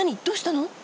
どうしたの？